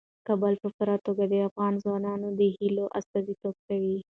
کابل په پوره توګه د افغان ځوانانو د هیلو استازیتوب کوي.